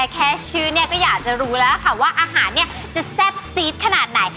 แค่ชื่อเนี่ยก็อยากจะรู้แล้วค่ะว่าอาหารเนี่ยจะแซ่บซีดขนาดไหน